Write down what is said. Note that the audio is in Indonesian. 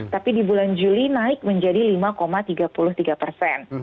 tapi di bulan juli naik menjadi lima tiga puluh tiga persen